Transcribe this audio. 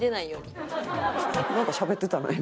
なんかしゃべってたな今。